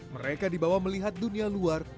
mereka dibawa melihat dunia luar